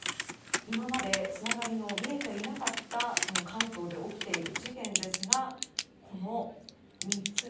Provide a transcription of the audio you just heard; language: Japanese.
今までつながりの見えていなかった関東で起きている事件ですがこの３つが